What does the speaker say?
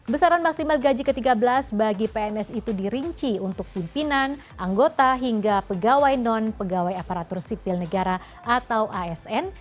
besaran maksimal gaji ke tiga belas bagi pns itu dirinci untuk pimpinan anggota hingga pegawai non pegawai aparatur sipil negara atau asn